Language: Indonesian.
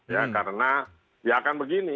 ya karena ya akan begini